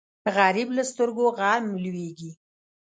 غریب له سترګو غم لوېږي